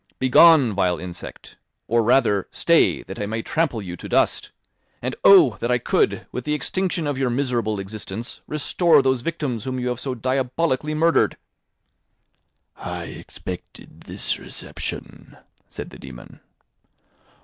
Begone, vile insect! Or rather, stay, that I may trample you to dust! And, oh! That I could, with the extinction of your miserable existence, restore those victims whom you have so diabolically murdered!" "I expected this reception," said the dæmon.